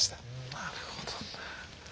なるほどな。